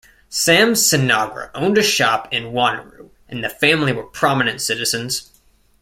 Sam Sinagra owned a shop in Wanneroo, and the family were prominent citizens.